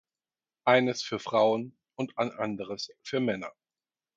Eines für Frauen und ein anderes für Männer.